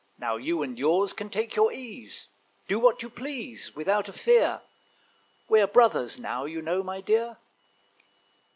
Now you and yours can take your ease: Do what you please, Without a fear; We're brothers now, you know, my dear.